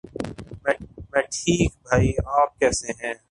میں ٹھیک بھائی آپ کیسے ہیں؟